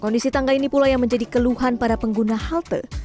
kondisi tangga ini pula yang menjadi keluhan para pengguna halte